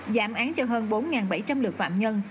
giảm án cho hơn bốn bảy trăm linh lượt phạm nhân